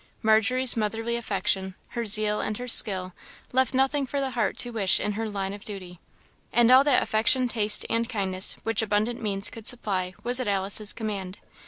Margery's motherly affection, her zeal, and her skill, left nothing for heart to wish in her line of duty. And all that affection, taste, and kindness, which abundant means, could supply, was at Alice's command.